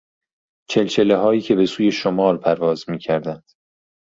چلچلههایی که به سوی شمال پرواز میکردند